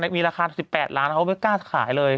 มีราคา๑๘ล้านเขาไม่กล้าขายเลย